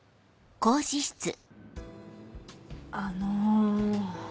あの。